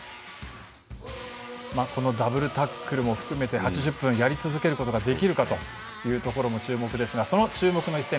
ダブルタックルも含めて８０分間やり続けることができるのかも注目ですがその注目の一戦